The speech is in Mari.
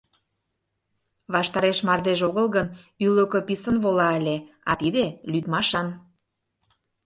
Ваштареш мардеж огыл гын, ӱлыкӧ писын вола ыле, а тиде лӱдмашан.